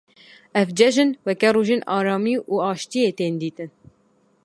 Ev cejn weke rojên aramî û aşîtiyê tên dîtin.